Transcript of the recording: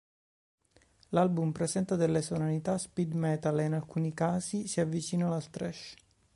L'album presenta delle sonorità speed metal e in alcuni casi si avvicinano al thrash.